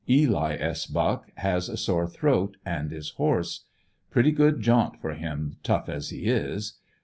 Eli S. Buck has a sore throat and is hoarse. Pretty good jaunt for him, tough as he is.